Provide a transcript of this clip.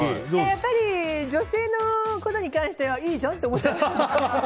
やっぱり女性のことに関してはいいじゃんって思っちゃいます。